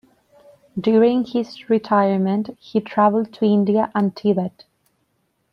During his retirement he traveled to India and Tibet.